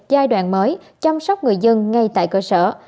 giai đoạn mới chăm sóc người dân ngay tại cơ sở